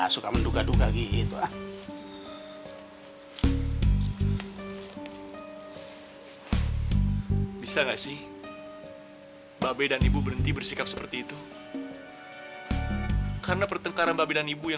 sampai jumpa di video selanjutnya